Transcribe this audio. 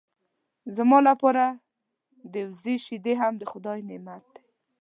زما لپاره د وزې شیدې هم د خدای نعمت دی.